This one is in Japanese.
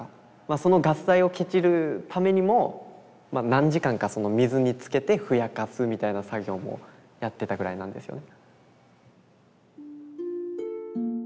そのガス代をケチるためにも何時間か水につけてふやかすみたいな作業もやってたぐらいなんですよね。